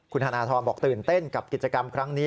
คุณธนทรบอกตื่นเต้นกับกิจกรรมครั้งนี้